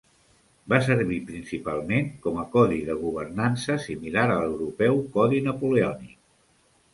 Va servir principalment com a codi de governança similar al l'europeu Codi Napoleònic.